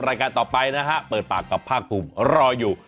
รายการต่อไปนะฮะเปิดปากกับภาคภูมิรออยู่